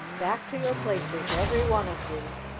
"Back to your places, every one of you.